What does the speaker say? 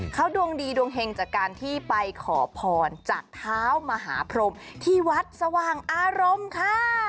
เขาดวงดีดวงเฮงจากการที่ไปขอพรจากเท้ามหาพรมที่วัดสว่างอารมณ์ค่ะ